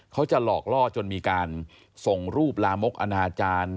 เขาจะหลอกล่อจนมีการส่งรูปลามกอนาจารย์